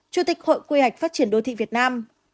chủ tịch hội quy hoạch phát triển đô thị việt nam